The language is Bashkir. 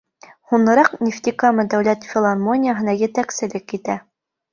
Һуңыраҡ Нефтекама дәүләт филармонияһына етәкселек итә.